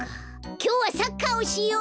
きょうはサッカーをしよう！